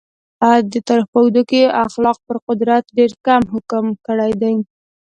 د تاریخ په اوږدو کې اخلاق پر قدرت ډېر کم حکم کړی دی.